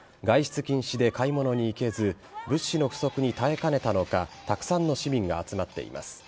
外出禁止で買い物に行けず物資の不足に耐えかねたのかたくさんの市民が集まっています。